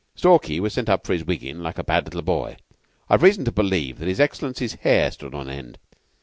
Stalky was sent up for his wiggin' like a bad little boy. I've reason to believe that His Excellency's hair stood on end.